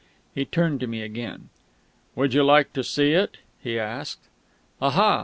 He turned to me again. "Would you like to see it?" he asked. "Aha!"